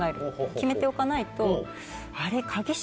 決めておかないと「あれ？」。